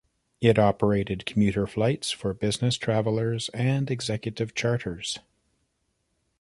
It operated commuter flights for business travellers and executive charters.